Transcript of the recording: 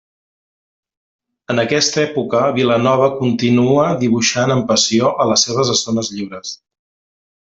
En aquesta època Vilanova continua dibuixant, amb passió, a les seves estones lliures.